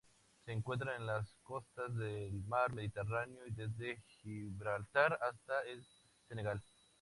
Se encuentran en las costas del Mar Mediterráneo y desde Gibraltar hasta el Senegal.